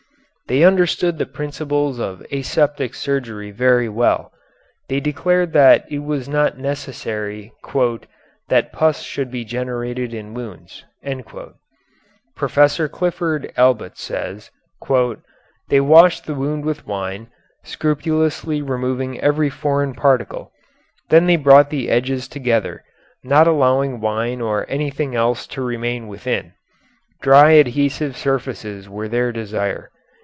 They understood the principles of aseptic surgery very well. They declared that it was not necessary "that pus should be generated in wounds." Professor Clifford Allbutt says: They washed the wound with wine, scrupulously removing every foreign particle; then they brought the edges together, not allowing wine or anything else to remain within dry adhesive surfaces were their desire.